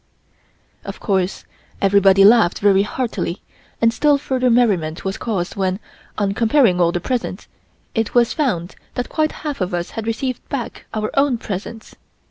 Of course everybody laughed very heartily, and still further merriment was caused when, on comparing all the presents, it was found that quite half of us had received back our own presents.